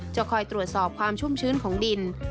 จะคอยตรวจสอบความชุ่มชื้นของดิน